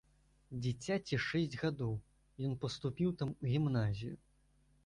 Дзіцяці шэсць гадоў, ён паступіў там у гімназію.